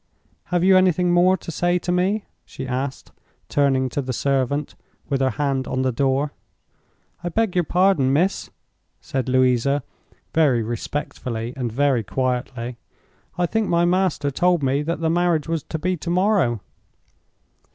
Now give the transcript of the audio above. "Have you anything more to say to me?" she asked, turning to the servant, with her hand on the door. "I beg your pardon, miss," said Louisa, very respectfully and very quietly. "I think my master told me that the marriage was to be to morrow?"